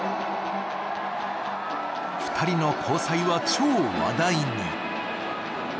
２人の交際は超話題に。